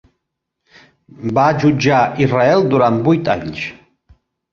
Va jutjar Israel durant vuit anys.